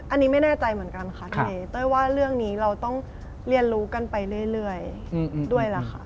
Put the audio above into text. อันนี้ไม่แน่ใจเหมือนกันค่ะพี่เต้ยว่าเรื่องนี้เราต้องเรียนรู้กันไปเรื่อยด้วยล่ะค่ะ